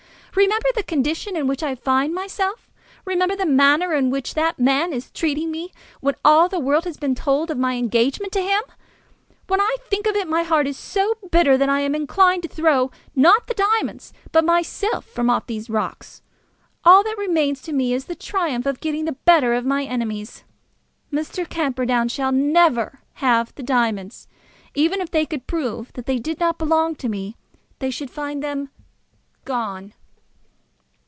Remember the condition in which I find myself! Remember the manner in which that man is treating me, when all the world has been told of my engagement to him! When I think of it my heart is so bitter that I am inclined to throw, not the diamonds, but myself from off the rocks. All that remains to me is the triumph of getting the better of my enemies. Mr. Camperdown shall never have the diamonds. Even if they could prove that they did not belong to me, they should find them gone."